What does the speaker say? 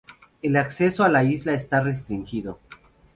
El acceso a la isla está restringido.